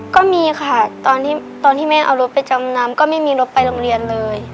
ก็มีค่ะตอนที่แม่เอารถไปจำนำก็ไม่มีรถไปโรงเรียนเลย